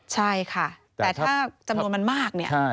ใช่ค่ะแต่ถ้าจำนวนมันมาก